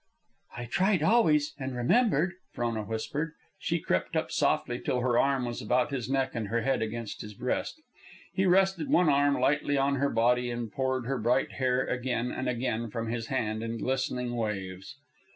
"I tried always, and remembered," Frona whispered. She crept up softly till her arm was about his neck and her head against his breast. He rested one arm lightly on her body, and poured her bright hair again and again from his hand in glistening waves.